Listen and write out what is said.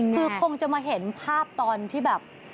คือคงจะมาเห็นภาพตอนที่แบบ